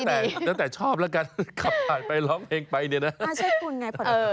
ตั้งแต่ชอบแล้วกันขับถ่ายไปร้องเพลงไปเนี่ยนะ